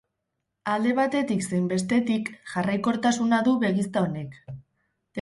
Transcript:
Alde batetik zein bestetik jarraikortasuna du begizta honek.